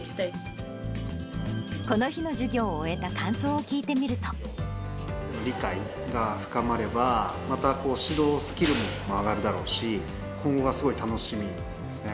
この日の授業を終えた感想を理解が深まれば、また指導スキルも上がるだろうし、今後がすごい楽しみですね。